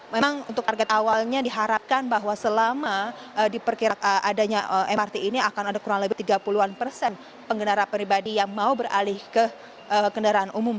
memang untuk target awalnya diharapkan bahwa selama diperkirakan adanya mrt ini akan ada kurang lebih tiga puluh an persen pengendara pribadi yang mau beralih ke kendaraan umum